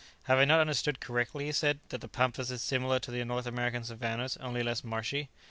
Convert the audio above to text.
"Have I not understood correctly," he said, "that the pampas is similar to the North American savannahs, only less marshy?"